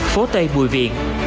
phố tây bùi viện